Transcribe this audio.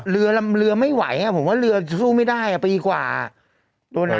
เรือลำเรือไม่ไหวอ่ะผมว่าเรือสู้ไม่ได้อ่ะปีกว่าตัวไหน